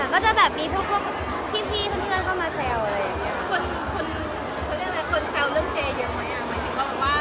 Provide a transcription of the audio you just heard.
ก็จะแบบมีพวกพี่เพื่อนเข้ามาแซวอะไรอย่างนี้